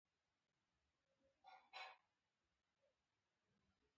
هغه پاکستان ته کډوال شو او په مجله کې یې کار وکړ